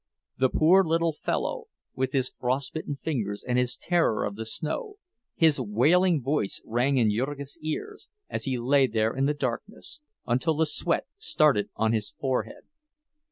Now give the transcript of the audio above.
The poor little fellow, with his frostbitten fingers and his terror of the snow—his wailing voice rang in Jurgis's ears, as he lay there in the darkness, until the sweat started on his forehead.